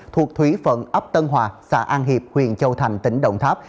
thuộc thúy phận ấp tân hòa xã an hiệp huyện châu thành tỉnh đồng tháp